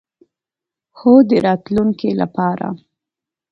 هو، د راتلونکی لپاره